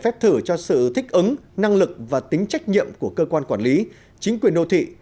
phép thử cho sự thích ứng năng lực và tính trách nhiệm của cơ quan quản lý chính quyền đô thị